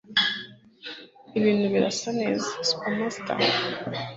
Ibintu birasa neza Spamster